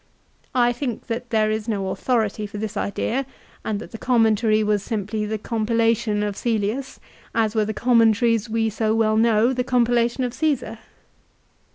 I think that there is no authority for this idea, and that the commentary was simply the compilation of Cselius, as were the commentaries we so well know, the compilation of Ciesar.